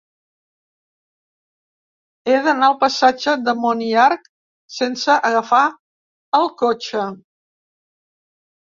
He d'anar al passatge de Monyarc sense agafar el cotxe.